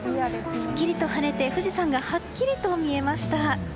すっきりと晴れて富士山がはっきりと見えました。